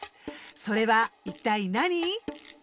それはいったい何？